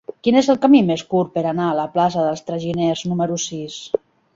Quin és el camí més curt per anar a la plaça dels Traginers número sis?